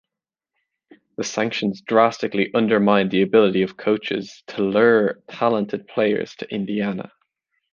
The sanctions drastically undermined the ability of coaches to lure talented players to Indiana.